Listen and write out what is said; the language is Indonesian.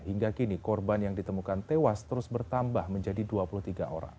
hingga kini korban yang ditemukan tewas terus bertambah menjadi dua puluh tiga orang